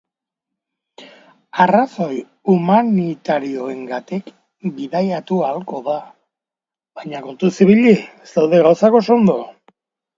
Arrazoi humanitarioengatik bidaiatu ahalko da, baina batzorde berezi batek baimendu beharko du.